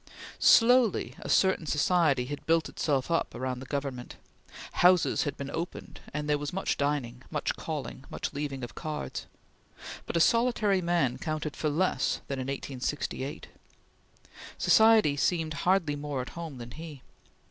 Slowly, a certain society had built itself up about the Government; houses had been opened and there was much dining; much calling; much leaving of cards; but a solitary man counted for less than in 1868. Society seemed hardly more at home than he.